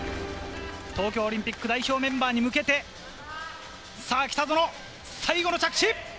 東京オリンピック代表メンバーに向けて、さあ、北園、最後の着地。